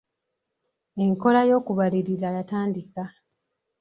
Enkola y'okubalirira yatandika.